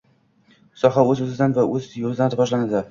– soha o‘z-o‘zidan va o‘z yo‘lida rivojlanadi.